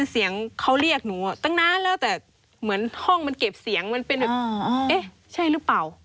เสียงเขาเรียกหนูตั้งนานแล้วแต่เหมือนห้องมันเก็บเสียงมันเป็นแบบเอ๊ะใช่หรือเปล่า